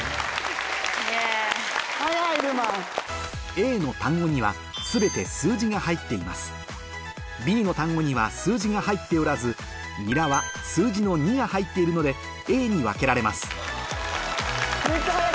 Ａの単語には全てＢの単語には数字が入っておらず「ニラ」は数字の「２」が入っているのでＡに分けられます